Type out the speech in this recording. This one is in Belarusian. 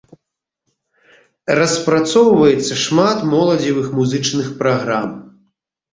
Распрацоўваецца шмат моладзевых музычных праграм.